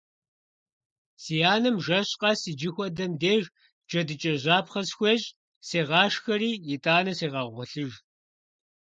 Си анэм жэщ къэс иджы хуэдэм деж джэдыкӀэжьапхъэ схуещӀ, сегъашхэри, итӀанэ сегъэгъуэлъыж.